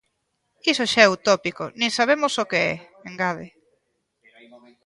Iso xa é utópico, nin sabemos o que é, engade.